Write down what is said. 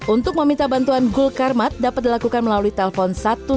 untuk meminta bantuan gul karmat dapat dilakukan melalui telpon satu ratus dua belas